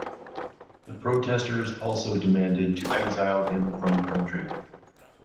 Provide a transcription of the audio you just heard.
The protesters also demanded to exile him from the country.